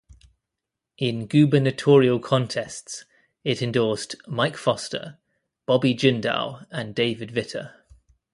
In gubernatorial contests it endorsed Mike Foster, Bobby Jindal, and David Vitter.